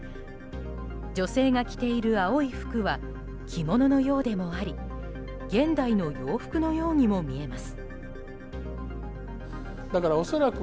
女性が着ている青い服は着物のようでもあり現代の洋服のようにも見えます。